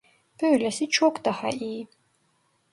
Böylesi çok daha iyi.